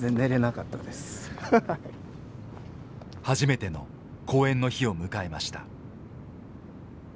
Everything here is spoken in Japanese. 初めての講演の日を迎えました。